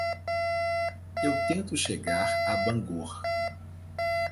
Eu tento chegar a Bangor.